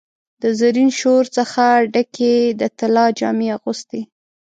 د زرین شور څخه ډکي، د طلا جامې اغوستي